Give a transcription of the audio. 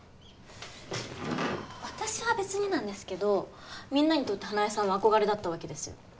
私は別になんですけどみんなにとって花枝さんは憧れだったわけですよ